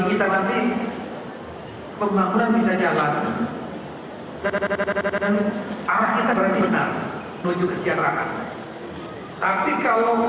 kita tapi pembangunan bisa jalan dan arahnya terjadi benar menuju kesejahteraan tapi kalau